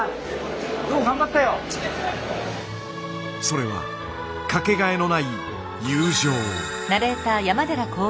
それはかけがえのない友情。